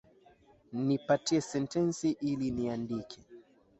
Nipatie sentensi ili niandike